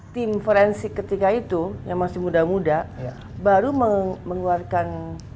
tim forensik ketika itu yang masih muda muda baru mengeluarkan